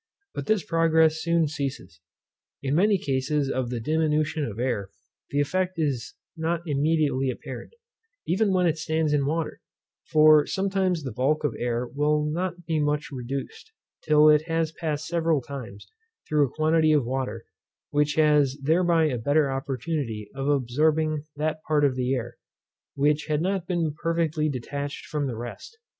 but this progress soon ceases. In many cases of the diminution of air, the effect is not immediately apparent, even when it stands in water; for sometimes the bulk of air will not be much reduced, till it has passed several times through a quantity of water, which has thereby a better opportunity of absorbing that part of the air, which had not been perfectly detatched from the rest.